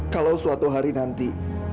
kalau suatu hari nanti